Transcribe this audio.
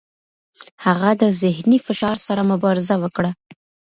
هغه د ذهني فشار سره مبارزه وکړه.